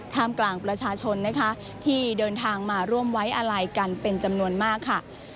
กลางประชาชนนะคะที่เดินทางมาร่วมไว้อาลัยกันเป็นจำนวนมากค่ะ